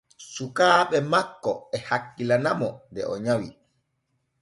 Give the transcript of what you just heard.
Sukaaɓe makko e hakkilana mo de o nyawi.